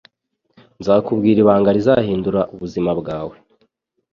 Nzakubwira ibanga rizahindura ubuzima bwawe.